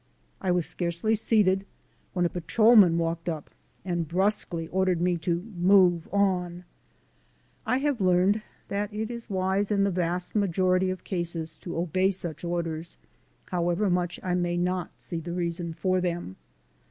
I was scarcely seated when a patrolman walked up and brusquely ordered me to "move on." I have learned that it is wise in the vast majority of cases to obey such orders, however much I may not see the reason for them.